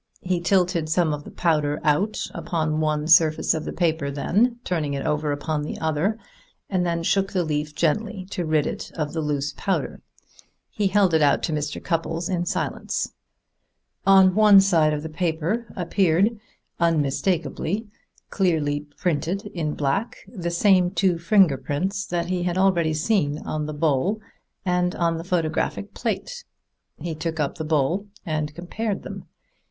He tilted some of the powder out upon one surface of the paper, then, turning it over, upon the other; then shook the leaf gently to rid it of the loose powder. He held it out to Mr. Cupples in silence. On one side of the paper appeared unmistakably, clearly printed in black, the same two finger prints that he had already seen on the bowl and on the photographic plate. He took up the bowl and compared them.